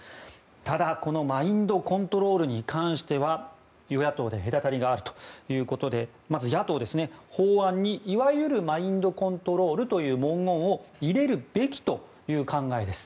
ただ、マインドコントロールに関しては与野党で隔たりがあるということでまず、野党ですが法案にいわゆるマインドコントロールという文言を入れるべきという考えです。